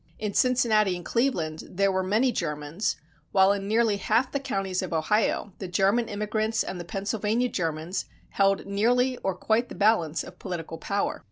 In Cincinnati and Cleveland there were many Germans, while in nearly half the counties of Ohio, the German immigrants and the Pennsylvania Germans held nearly or quite the balance of political power.